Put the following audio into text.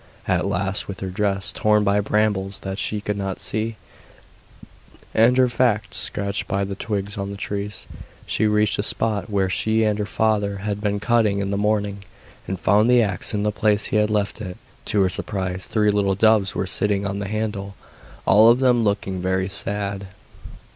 At last, with her dress torn by brambles that she could not see, and her fact scratched by the twigs on the trees, she reached the spot where she and her father had been cutting in the morning, and found the axe in the place he had left it. To her surprise, three little doves were sitting on the handle, all of them looking very sad.